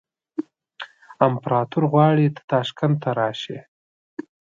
امپراطور غواړي ته تاشکند ته راشې.